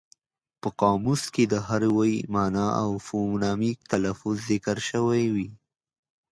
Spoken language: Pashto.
په قاموس کې د هر ویي مانا او فونیمک تلفظ ذکر شوی وي.